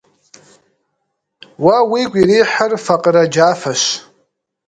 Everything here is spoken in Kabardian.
Уэ уигу ирихьыр факъырэ джафэщ.